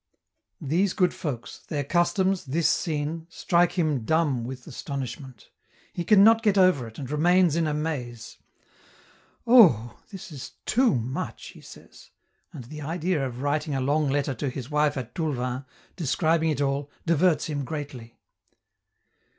These good folks, their customs, this scene, strike him dumb with astonishment; he can not get over it, and remains in a maze. "Oh! this is too much," he says, and the idea of writing a long letter to his wife at Toulven, describing it all, diverts him greatly.